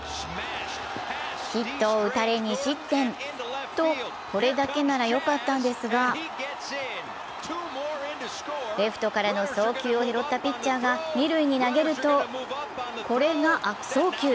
ヒットを打たれ２失点と、これだけならよかったんですがレフトからの送球を拾ったピッチャーが二塁に投げると、これが悪送球。